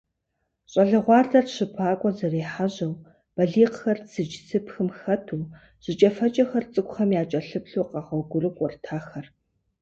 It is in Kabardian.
ЩӀалэгъуалэр щыпакӀуэ зэрехьэжьэу, балигъхэр цыдж–цыпхым хэту, жыкӀэфэкӀэхэр цӀыкӀухэм якӀэлъыплъу къэгъуэгурыкӀуэрт ахэр.